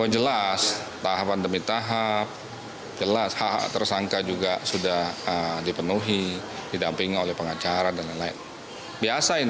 jelas tahapan demi tahap jelas hak hak tersangka juga sudah dipenuhi didampingi oleh pengacara dan lain lain